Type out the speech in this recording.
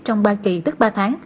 trong ba kỳ tức ba tháng